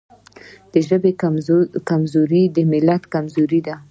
د ژبې کمزوري د ملت کمزوري ده.